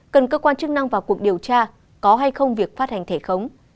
cần cơ quan chức năng vào cuộc điều tra có hay không việc phát hành thẻ khống